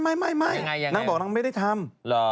ไม่นางบอกนางไม่ได้ทำ